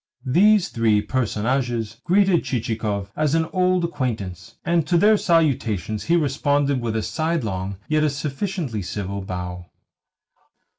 These three personages greeted Chichikov as an old acquaintance, and to their salutations he responded with a sidelong, yet a sufficiently civil, bow.